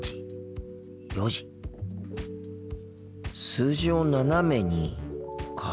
「数字を斜めに」か。